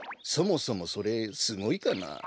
そもそもそれすごいかな？